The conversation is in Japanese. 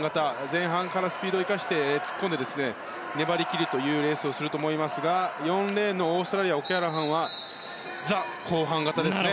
前半からスピードを生かして突っ込んで粘り切るというレースをすると思いますが４レーンのオーストラリアのオキャラハンはザ後半型ですね。